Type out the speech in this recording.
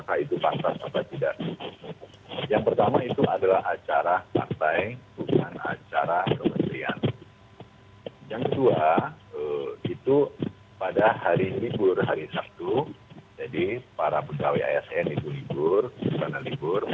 ke salah satu distributor